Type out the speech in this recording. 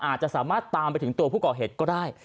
อาจจะสามารถตามไปถึงตัวผู้ก่อเหตุก็ได้